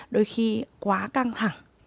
đôi khi quá căng thẳng